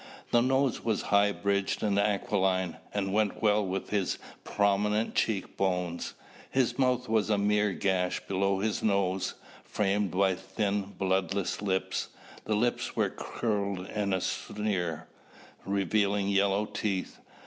The nose was high bridged and aquiline and went well with his prominent cheekbones. His mouth was a mere gash below his nose, framed by thin bloodless lips. The lips were curled in a sneer, revealing yellow teeth.